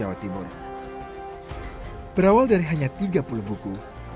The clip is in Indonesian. berawal dari hanya tiga puluh buku roaldari oke tujuh bersimpan rapi raw arran ruang yang means cari buku sosial